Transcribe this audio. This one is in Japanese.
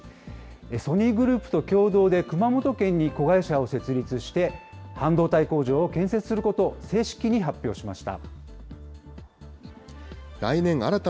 ソニーグループと共同で熊本県に子会社を設立して、半導体工場を建設することを正式に発表しました。